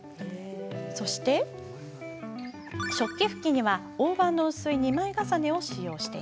そして食器拭きには大判の薄い２枚重ねを使用。